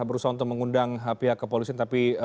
berusaha untuk mengundang pihak kepolisian tapi